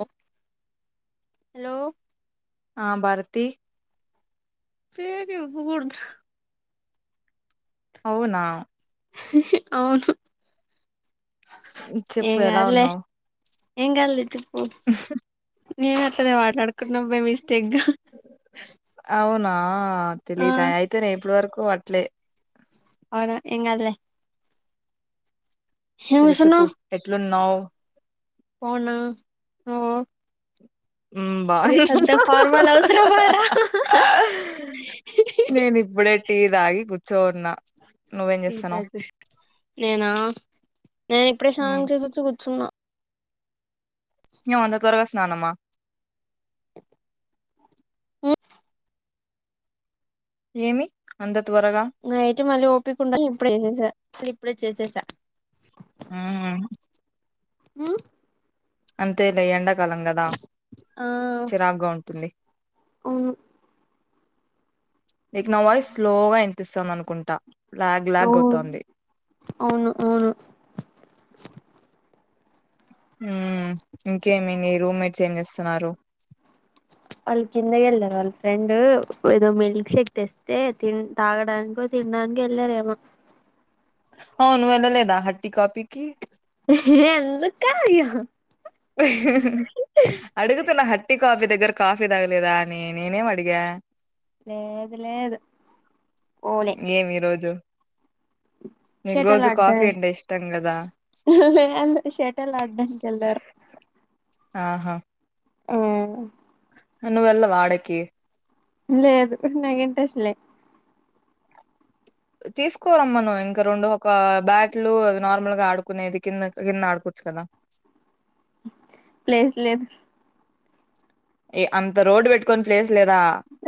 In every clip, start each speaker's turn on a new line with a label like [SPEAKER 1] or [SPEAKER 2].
[SPEAKER 1] ఓ hello
[SPEAKER 2] ఆ భారతిీ
[SPEAKER 1] ఏదీ [inaudible]
[SPEAKER 2] అవునా
[SPEAKER 1] అవును
[SPEAKER 2] చెప్పు
[SPEAKER 1] ఏం
[SPEAKER 2] ఎలా
[SPEAKER 1] గాదులే
[SPEAKER 2] ఉన్నావు
[SPEAKER 1] ఏం గాదులే చెప్పు నేను ఆట్లాడుక ఒక నవ్వే వస్
[SPEAKER 2] అవునా
[SPEAKER 1] ఆ
[SPEAKER 2] తెలీతా అయితే ఇప్పడు వరకు ఓ అట్లే
[SPEAKER 1] అవునా ఏం గాదులే
[SPEAKER 2] సరే చెప్పు ఎట్లున్నావ్
[SPEAKER 1] అవునా
[SPEAKER 2] మ్ బాగు
[SPEAKER 1] అవసరమా రా
[SPEAKER 2] నేను ఇప్పుడే టీ తాగి కూర్చోన్నా నువ్వేం చేస్తానావ్
[SPEAKER 1] నేనా నేను ఇప్పుడే స్నానం
[SPEAKER 2] మ్
[SPEAKER 1] చేసి వచ్చి కూర్చున్నా
[SPEAKER 2] ఏం అంత తోరగా స్నానమా
[SPEAKER 1] హ్మ్
[SPEAKER 2] ఏమి అంద
[SPEAKER 1] నైట్ మళ్ళీ ఓపకుండదు అని ఇప్పుడే చేసేసా ఇప్పుడే చేసేసా
[SPEAKER 2] మ్
[SPEAKER 1] మ్
[SPEAKER 2] అంతేలే ఎండ కాలం గదా
[SPEAKER 1] ఆ
[SPEAKER 2] చిరాక్గా ఉంటుంది
[SPEAKER 1] అవును
[SPEAKER 2] నీక్ నా వాయిస్ స్లోగా ఇనిపిస్తాంది అనుకుంట
[SPEAKER 1] అ అవును అవును
[SPEAKER 2] మ్ ఇంకేమి నీ రూమ్మేట్స్ ఏం చేస్తున్నారు
[SPEAKER 1] వాళ్ళ కిందకే వెళ్ళారు వాళ్ళ ఫ్రెండ్ ఏదో మిల్క్ షేక్ తెస్తే తి తాగడానికో తినడానికో వెళ్ళారేమో
[SPEAKER 2] అవును నువ్వు వెళ్ళలేదా హట్టి కాపీకి
[SPEAKER 1] ఎందుకా అ్య [unintelligible]
[SPEAKER 2] అడుగుతున్న హాట్టి కాఫీ దేగ్ గర్ కాఫీ తాగలేదా అని నేనేం అడిగ
[SPEAKER 1] లేద్ లేదు
[SPEAKER 2] ఏమి ఈరోజు
[SPEAKER 1] షటల్
[SPEAKER 2] కాఫీ
[SPEAKER 1] ఆడ్డన్
[SPEAKER 2] అంటే ఇష్టం కదా
[SPEAKER 1] అందుకు షటల్ ఆడ్డాంనికెల్లారు
[SPEAKER 2] అహా
[SPEAKER 1] అ
[SPEAKER 2] నువ్వెళ్లవ ఆడేకి
[SPEAKER 1] లేదు నాక్ ఇంట్రెస్ట్ లే
[SPEAKER 2] తీసుకో రమ్మను ఇంక రెండు ఒక బ్యాట్లు నార్మల్గా ఆడుకునేది కిందక్ కింద ఆడుకోచ్చు కద
[SPEAKER 1] ప్లేస్ లేదు
[SPEAKER 2] ఏ అంత రోడ్ పెట్టుకొని ప్లేస్ లేదా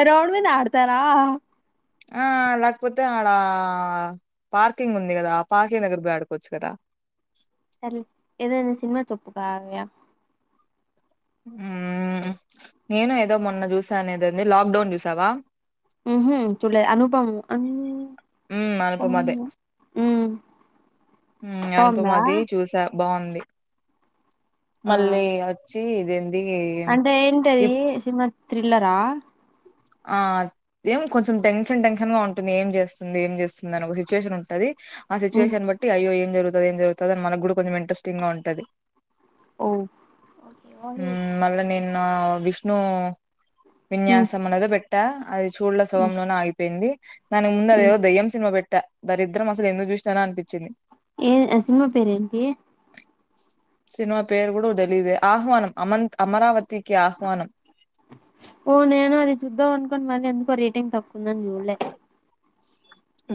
[SPEAKER 1] ఎ రోడ్మింద ఆడతార
[SPEAKER 2] ఆ లాక్పోతే
[SPEAKER 1] సర్లే ఏదైనా సినిమా [unintelligible]
[SPEAKER 2] హ్మ్ నేను ఏదో మొన్న చూసా, నేదెంది లాక్డౌన్ చూసావ
[SPEAKER 1] హ్మ్ చూలే అనుపము అను
[SPEAKER 2] హ్మ్ అనుపమదే హ్మ్
[SPEAKER 1] బాగుందా
[SPEAKER 2] అనుపమది చూస బావుంది
[SPEAKER 1] ఆ
[SPEAKER 2] మళ్ళీ అచ్ తి ఇదేం
[SPEAKER 1] అంటే ఏంటది సిమం థ్రిల్లర్ ఆ
[SPEAKER 2] అ ఏం కొంచెం టెన్షన్, టెన్షన్ గా ఉంటుంది. ఏం చేసుంది, ఏం చేసుంది అని ఒక సిచ్యుయేషన్ ఉంటది. ఆ
[SPEAKER 1] ఉమ్
[SPEAKER 2] సిచువేషన్ బట్టి అయ్యో ఎం జరుగుతది ఏం జరుగుతదో అని మనగుడా కొంచెం ఇంట్రెస్టింగ్గా ఉంటది
[SPEAKER 1] ఓ ఓకే ఓహి
[SPEAKER 2] ఉమ్ మళ్ళా నేను నా విష్ణు విన్యాస్ పెట్టా అది [unintelligible] చూడ్ల సగంలోనే ఆగిపోయింది దానికి ముందే అదేదో దెయ్యం సినిమా బేట్ ధ
[SPEAKER 1] ఏ సినిమా పేరేంటి
[SPEAKER 2] సినిమా పేరు గుడో తెలిదే! ఆహ్వానం అమంత్ అమరావతికి ఆహ్వానం.
[SPEAKER 1] ఓ నేను అది చూద్దాం అనుకోని మళ్ళీ ఎందుకో రేటింగ్ తక్కుందని చూడలే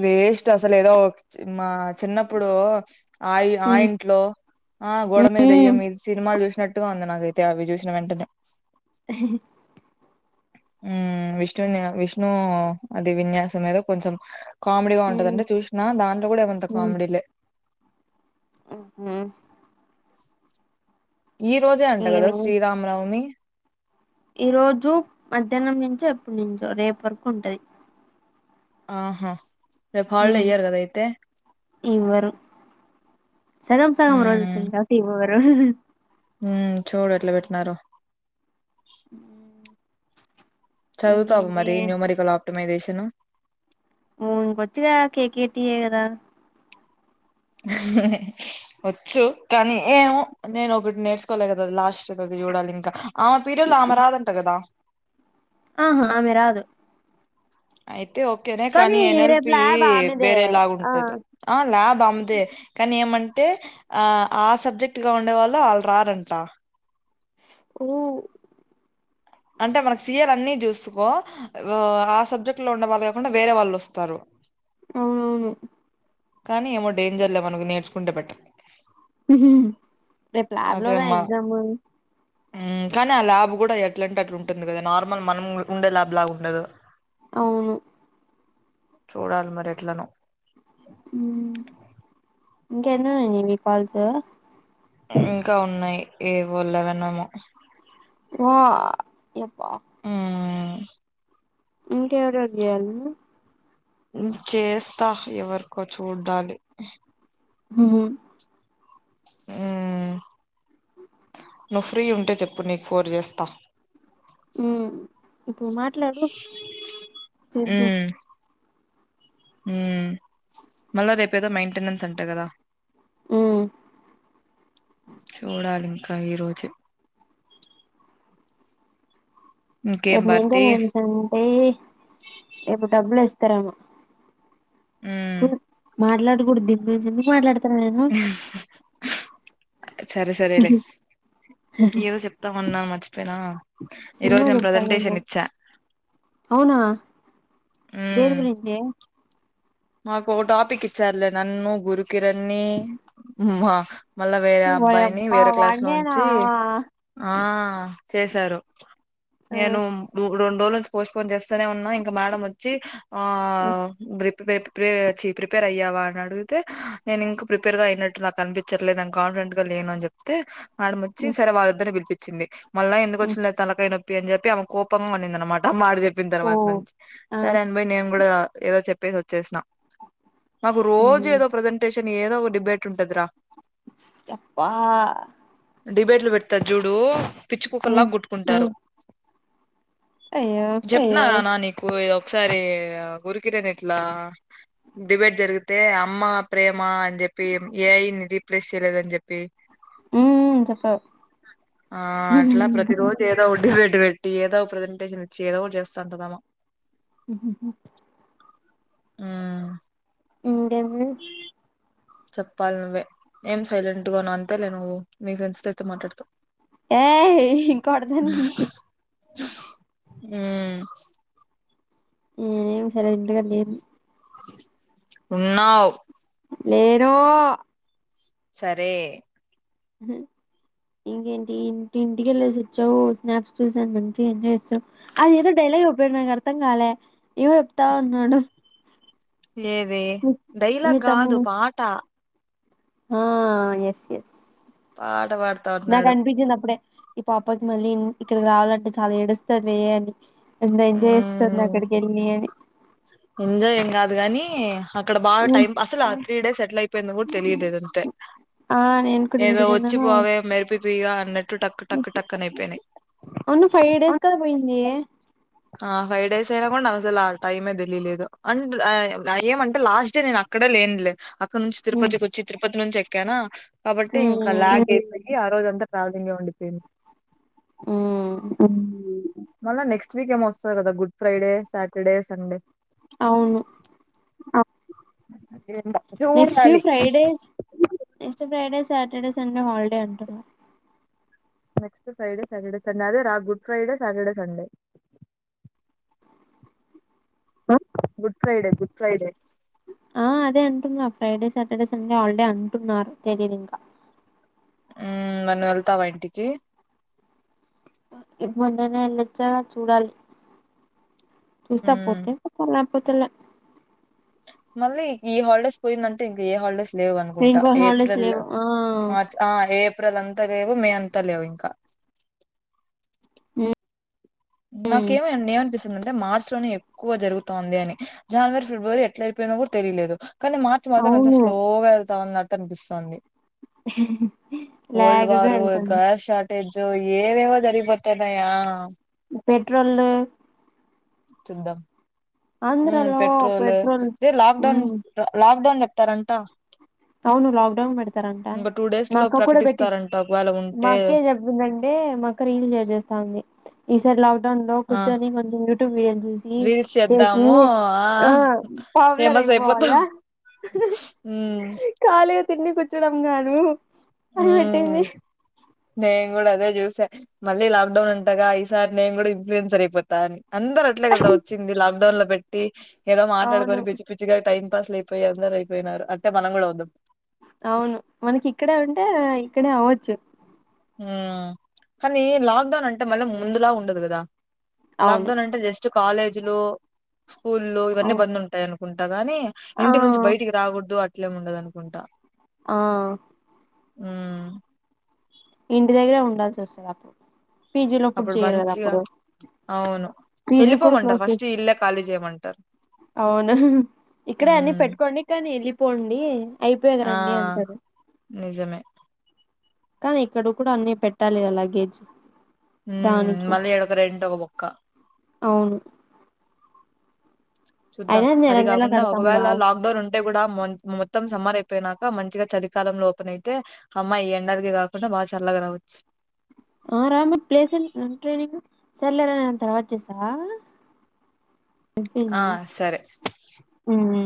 [SPEAKER 2] వేస్ట్ అసలు ఏదో ఒక చిన్మ్మ అది చిన్నప్పుడు ఆ ఆ
[SPEAKER 1] ఉమ్,
[SPEAKER 2] ఇంట్లో ఆ గోడ మీద
[SPEAKER 1] ఉమ్,
[SPEAKER 2] దెయ్యం ఇది సినిమాలు చూస నట్టుగా ఉంది నాకైతే అవి చూసిన వెంటనే హ్మ్ విష్ణుని విష్ణు అది విన్యాసం మీద కొంచెం కామెడీగా
[SPEAKER 1] ఉమ్,
[SPEAKER 2] ఉంటదంటే చూసినా దాంట్లో కూడా ఏం అంత కామెడీలే
[SPEAKER 1] హ్మ్ హు
[SPEAKER 2] ఈ రోజే అంట కదా
[SPEAKER 1] ఇంకేమి
[SPEAKER 2] శ్రీరామనవమి
[SPEAKER 1] ఈ రోజు మధ్యాహ్నం నుంచో ఎప్పటినుంచో రేపు వరకు ఉంటది
[SPEAKER 2] ఆహా రేపు హాలిడే
[SPEAKER 1] మ్మ్
[SPEAKER 2] ఇయ్యారు కదా అయితే
[SPEAKER 1] ఇవ్వరు సగం సగం రోజొచ్చింది కాబట్టి ఇవ్వ
[SPEAKER 2] హ్మ్ చూడు ఎట్లా పెట్టినరో
[SPEAKER 1] మ్మ్
[SPEAKER 2] చదువుతావు మరి న్యూమరికల్ అబ్ ప్టిమైజేషన్
[SPEAKER 1] మను కొచ్చగా కే కేటి ఏ కదా
[SPEAKER 2] వచ్చు కానీ ఏమో నేను ఒకటి నేర్చుకోలే కదా లాస్ట్ ద్ది చూడాలి ఇంకా ఆమె పీరియడ్ లో ఆమె రాదంట కదా
[SPEAKER 1] ఆహా ఆమె రాదు
[SPEAKER 2] ఆయితే తే ఓకేనే కానీ ఎన్
[SPEAKER 1] రేపు
[SPEAKER 2] ఎల్పి
[SPEAKER 1] ల్యాబ్ ఆమెదే
[SPEAKER 2] వేరేలా
[SPEAKER 1] ఆ
[SPEAKER 2] ఉంటది ఆ ల్యాబ్ ఆమ్దే కానీ ఏమంటే ఆ ఆ సబ్జెక్ట్ గా ఉండేవాళ్ళు ఆళ్ళు రారంట
[SPEAKER 1] ఓ
[SPEAKER 2] అంటే మనకి సి ఆర్ అన్ని చూసుకో ఆ సబ్జెక్ట్ లో ఉండవాళ్ళు కాకుండా వేరే వాళ్ళు వస్తారు
[SPEAKER 1] అవునవును
[SPEAKER 2] కానీ ఏమో డేంజర్ లే మనకు నేర్చుకుంటే బెటర్
[SPEAKER 1] హ్మ్ రేపు ల్యాబ్ లో గా ఎగ్జామ్
[SPEAKER 2] మ్మ్ కానీ ఆ ల్యాబ్ కూడా ఎట్లంటే అట్లా ఉంటుంది కదా నార్మల్ మనం ఉండే ల్యాబ్ లాగా ఉండదు
[SPEAKER 1] అవును
[SPEAKER 2] చూడాలి మరి ఎట్లానో
[SPEAKER 1] మ్మ్ ఇంకెన్నున్నాయి డి మీ కాల్స్
[SPEAKER 2] ఇంకా ఉన్నాయి ఏవో లేవనేమో
[SPEAKER 1] ఓ ఎప్ప
[SPEAKER 2] మ్మ్
[SPEAKER 1] ఇంకెవరెవరు చేయాలి
[SPEAKER 2] మ్మ్ చేస్తా ఎవరికో చూడాలి
[SPEAKER 1] హ్మ్
[SPEAKER 2] హ్మ్ నువ్వు ఫ్రీ ఉంటే చెప్పు నీకు ఫోన్ చేస్తా
[SPEAKER 1] హ్మ్ ఇప్పుడు మాట్లాడు చెద్ద
[SPEAKER 2] హ్మ్ మళ్ళా రేపు ఏదో మెయింటెనెన్స్ అంటా కదా
[SPEAKER 1] మ్మ్
[SPEAKER 2] చూడాలి కావి రోజు
[SPEAKER 1] రేపు
[SPEAKER 2] భారతి
[SPEAKER 1] మెయింటనెంస్ అంటె రేపు డబ్బులు వస్త తర్ ఏమో
[SPEAKER 2] మ్మ్
[SPEAKER 1] మాటల గుడి దీని గురించి ఎందుకు మాట్లాడ తన్నా నేను
[SPEAKER 2] సరే సరే లే ఏదో చెప్తామన్నా మర్చిపోయినా ఈరోజు
[SPEAKER 1] సినిమా
[SPEAKER 2] నేను
[SPEAKER 1] చెప్తానేమో
[SPEAKER 2] ప్రసెంటేషన్ ఇచ్చా
[SPEAKER 1] అవునా దేని
[SPEAKER 2] మ్మ్
[SPEAKER 1] గురించి
[SPEAKER 2] మాకు ఒక టాపిక్ ఇచ్చారులే నన్ను గురుకిరణ్ణి మళ్ళా వేరే అబ్బాయిని
[SPEAKER 1] ఓయబ్బా
[SPEAKER 2] వేరే క్లాస్ లో
[SPEAKER 1] వాడినేనా
[SPEAKER 2] ఉంచి ఆ ఆ చేశారు
[SPEAKER 1] ఆ
[SPEAKER 2] నేను ముగుడుం డోల్ నుంచి పోస్పోన్ చేస్తూనే ఉన్నాం ఇంక మేడం వచ్చి ఆ
[SPEAKER 1] ఉ,
[SPEAKER 2] బ్రి బెట్ ప్రిపే ప్రిపేర్ అయ్యావా అని అడిగితే నేను ఇంకా ప్రిపేర్ గా అయినట్టు నాకు అనిపించట్లేదు నాని కాన్ఫిడెంట్ గా లేను అని చెప్తే మేడమ్ వచి
[SPEAKER 1] ఉ,
[SPEAKER 2] సరే వాల్ ఇద్దర్ని పిల్పై చిింది మళ్ళ ఎందుకు
[SPEAKER 1] ఉ.
[SPEAKER 2] వచ్చిందిలే తనకైన అని చెప్పి ఆమె కోపంగా కొన్నింద అనమాట మాడిది చెప్పిన
[SPEAKER 1] ఓ
[SPEAKER 2] తర్వాత నుంచి
[SPEAKER 1] ఆ
[SPEAKER 2] సరే అని బయి నేను కూడా ఏదో చెప్పేసి వచ్చేసిన మాకు రోజు
[SPEAKER 1] ఉహు.
[SPEAKER 2] ఏదో ప్రజెంటేషన్ ఏదో ఒక డిబేట్ ఉంటదరా
[SPEAKER 1] చెప్పా
[SPEAKER 2] డిబేట్లు పెడతారు జూడు పిచ్చు కుక్క
[SPEAKER 1] హ్మ్
[SPEAKER 2] లాగా గుట్టుకుంటారు
[SPEAKER 1] అయ్యో
[SPEAKER 2] చెప్న్నారుారా నాని కూయ్ ఒకసారి గురుకిర ఎట్లా డిబేట్ జరిగితే అమ్మ ప్రేమ అని చెప్పి ఏఐని రీప్లేస్ చేయలేదని చెప్పి
[SPEAKER 1] హ్మ్ చెప్పావు
[SPEAKER 2] ఆ అట్లా ప్రతి రోజు ఏదో ఒక హాయ్ గాయ్స్ ఏదో ప్రజెంటేషన్ ఇచ్చి ఏదో ఒక చేస్తా అనుకున్నాము ఆ
[SPEAKER 1] ఉ ఏంది
[SPEAKER 2] చెప్పాలి నువ్వే ఏం సైలెంట్ గా ఉన్నావు అంతేలే నువ్వు మీ ఫ్రెండ్స్ త మాట్లాడతా
[SPEAKER 1] ఏయ్ కొడతానండి
[SPEAKER 2] ఉమ్
[SPEAKER 1] ఏం సైలెంట్ [unintelligible]
[SPEAKER 2] ఉన్నావ్
[SPEAKER 1] లేరు
[SPEAKER 2] సరే
[SPEAKER 1] ఇంకేంటి ఇంటి ఇంటికెళ్ళసి వచ్చావు స్నాప్స్ చూసని మంచి ఎంజ్చ్చావు అది ఏదో డైలీయాడు నాకు అర్థం కాలే ఏవో చెప్తావు ఉన్నాడు
[SPEAKER 2] ఏదే
[SPEAKER 1] మీ మీ
[SPEAKER 2] డైలాగ్ కాదు
[SPEAKER 1] తమ్ముడు
[SPEAKER 2] పాట
[SPEAKER 1] ఆ ఎస్ ఎస్
[SPEAKER 2] ఆ
[SPEAKER 1] నాకు అనిపించింది అప్పుడే ఈ పాపకి మళ్ళీ ఇక్కడకి రావాలంటే చాలా ఏడుస్తంది అని ఎంత ఎంజాయ్ ఇస్తుంది అక్కడికి వెళ్ళి అని
[SPEAKER 2] ఎంజాయీ ఏం కాదు గానీ అక్కడ బాగా
[SPEAKER 1] హ్మ్.
[SPEAKER 2] టైం అసలు ఆ త్రీ డేస్ సెటిల్ అయిపోయింది కూడా తెలియదు ఏదంతే
[SPEAKER 1] ఆ నేను కూడా
[SPEAKER 2] ఏదో వచ్చి
[SPEAKER 1] ఇంటికెళ్ళాను
[SPEAKER 2] పోవే మెరిపి తీగా అన్నట్టు టక్ టక్ టక్న అయిపోయినాయి
[SPEAKER 1] అవును ఫైవ్ డేస్ కదా పోయింది
[SPEAKER 2] హా ఫైవ్ డేస్ అయినా కూడా నాకు అసలు ఆ టైమే తెలిలీయలేదు అండ్ ఏమంటే లాస్ట్ డే నేను అక్కడే లేనులే ఇక్క నుంచి
[SPEAKER 1] హ్మ్
[SPEAKER 2] తిరుపతికి వచ్చి తిరుపతి నుంచి కనా కాబట్టి ఇంకా
[SPEAKER 1] హ్మ్
[SPEAKER 2] లాంగ్ ఆ రోజు అంతా ట్రావలింగే ఉండిపోయింది ఉమ్ మళ్లా నెక్స్ట్ వీకేండ్ వస్తుంది కదా గుడ్ ఫ్రైడే సాటర్డే సండే
[SPEAKER 1] అవును
[SPEAKER 2] అ రెండా
[SPEAKER 1] next Fridays next Fridays Saturday Sunday holiday అంటున్నా
[SPEAKER 2] నెక్స్ట్ ఫ్రైడే సాటర్డే సండే అదే రా Good Friday Saturday Sunday Good Friday Good Friday
[SPEAKER 1] ఆ అదే అంటున్నారు ఫ్రైడే సాటర్డే సండే హాలిడే అంటున్నారు తెలియదుంకా
[SPEAKER 2] ఉ నన్ను వెళ్తావా ఇంటికి
[SPEAKER 1] మొన్ననే వెళ్ళచ్చాగా చూడాలి చూస్ట
[SPEAKER 2] మ్మ్
[SPEAKER 1] పోతే ప పొతల
[SPEAKER 2] మళ్ళీ ఈ హాల్డేస్ పోయిందంటే ఇంక ఏ హాలిడేస్ లేవు అనుకుంటా
[SPEAKER 1] ఇంకో హాలిడేస్
[SPEAKER 2] ఏప్రిల్
[SPEAKER 1] లేవు ఆ
[SPEAKER 2] మార్చ్ ఆ ఏప్ ఏప్రిల్ అంత లేవు మే అంత లేవు ఇంక
[SPEAKER 1] హ్మ్
[SPEAKER 2] నాకేమో ఏమనిపిస్తుంది అంటే మార్చ్ లోనే ఎక్ ఎక్కువ జరుగుతోంది అని జాన్వరి ఫిబ్రవరి ఎట్ల అయిపోయిందో కూడ తెలియదు కానీ మార్చ్ మాత్రం ఎంత
[SPEAKER 1] అవును
[SPEAKER 2] స్లోగా వెళ్తామ అన్నట్టు కన్పిస్తోంది వల్డ్
[SPEAKER 1] లాగ్గా
[SPEAKER 2] వారు ఇక
[SPEAKER 1] వెళ్తుంది
[SPEAKER 2] స్టార్ట్ అయిం అ ఏవేవో జరిగిపోతున్నయి ఆ
[SPEAKER 1] పెట్రోల్లు
[SPEAKER 2] చింద ఉమ్
[SPEAKER 1] ఆంధ్రాలో
[SPEAKER 2] పెట్రోలు
[SPEAKER 1] పెట్రోల్
[SPEAKER 2] ఏ లాక్డౌన్
[SPEAKER 1] హ్మ్
[SPEAKER 2] లాక్డౌన్ పెట్టరంట
[SPEAKER 1] అవును లాక్డౌన్ పెడతారంట
[SPEAKER 2] టూ డేస్
[SPEAKER 1] మా
[SPEAKER 2] లో
[SPEAKER 1] అక్క కూడ పెట్టి
[SPEAKER 2] ప్రకటిస్తారంట ఒకవేళ
[SPEAKER 1] మా
[SPEAKER 2] ఉంటే
[SPEAKER 1] అక్కే చెప్పిందంటే మా అక్క రీల్ షేర్ చేేస్తా ఉంది సర్ లాక్ డౌన్ లో
[SPEAKER 2] ఆ
[SPEAKER 1] [unintelligible] టుంది
[SPEAKER 2] రీల్స్ చేద్దాము ఆ
[SPEAKER 1] పాపులర్
[SPEAKER 2] ఫేమస్ అయిపోతం
[SPEAKER 1] కాలి తిన్ని కూచ్చుడం గాదు
[SPEAKER 2] ఆ మే కూడా అదే చూసే మళ్ళీ లాక్ డౌన్ అంటగా ఈ సారి నేను కూడా ఇన్ఫ్ూయన్సర్ అయిపోతా అని అందరు అట్లే కద వచ్చింది లాక్డౌన్ లో పెట్టి ఏదో
[SPEAKER 1] అవును
[SPEAKER 2] మాట్లాడుకొని పిచ్చి పిచ్చిగా టైం పాస్లు అయిపోయి అందరు అయిపోయినారు అట్టే మనం కూడా అవుదాం
[SPEAKER 1] అవును మనకి ఇక్కడే ఉంటే ఇక్కడే అవచ్చు
[SPEAKER 2] ఉ కానీ లాక్డౌన్ అంటే మళ్ళీ ముందుల ఉండదు కదా లాక్
[SPEAKER 1] అవును
[SPEAKER 2] డౌన్ అంటే జస్ చ్చు కాలేజ్లో స్కూల్లో ఇవన్నీ
[SPEAKER 1] అవ్-
[SPEAKER 2] బంద్ ఉంటాయి ఉంట గాని
[SPEAKER 1] ఆ
[SPEAKER 2] ఇంటి నుంచి బయటికి రాకూడదు అ ఇట్లేమ్ ఉండదనుకుంటా
[SPEAKER 1] ఆ
[SPEAKER 2] ఉ
[SPEAKER 1] ఇంటి దగ్గరే ఉండాల్సి వస్తది అప్పు
[SPEAKER 2] అప్పుడు మంచిగా అవును
[SPEAKER 1] పీజీ కూడా
[SPEAKER 2] వెళ్ళిపోమంటారు
[SPEAKER 1] క్లోజ్ చేస్త
[SPEAKER 2] ఫస్ట్ ఇల్లే ఖాళీ చేయ్ మన్
[SPEAKER 1] అవును ఇక్కడే అన్ని
[SPEAKER 2] హ్మ్
[SPEAKER 1] పెట్టుకోండి కానీ వెళ్ళిపోండి అయిపోయింది
[SPEAKER 2] ఆ
[SPEAKER 1] రండి అంటారు
[SPEAKER 2] నిజమే
[SPEAKER 1] కానీ ఇక్కడ కూడా అన్ని పెట్టాలి లగేజ్
[SPEAKER 2] ఉ
[SPEAKER 1] దానికి
[SPEAKER 2] మళ్ళీ ఆడొక రెండు ఒక బొక్క
[SPEAKER 1] అవును
[SPEAKER 2] చూద్దాం
[SPEAKER 1] అయినా నెల
[SPEAKER 2] అది
[SPEAKER 1] నెల
[SPEAKER 2] కాకుండా
[SPEAKER 1] కడతాం రా
[SPEAKER 2] ఒకవేళ లాక్డౌన్ ఉంటే కూడా మొత్తం సమ్మార్ అయిపోయినాక మన్ మంచిగా చలికాలంలో ఓపెన్ అయితే హ్మ్మ్ ఈ ఎండలకి కాకుండా బాగా చల్లగా రావచ్చు
[SPEAKER 1] ఆ రామ్ ప్లేస్ సన్ ట్రైనింగ్ సరేలే రా నేను తరువాత చేస్తా
[SPEAKER 2] ఆ
[SPEAKER 1] అయిపోయింది
[SPEAKER 2] సరే
[SPEAKER 1] ఉ ఉ